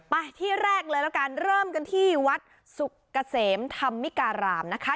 ไปที่แรกเลยแล้วกันเริ่มกันที่วัดสุกเกษมธรรมิการามนะคะ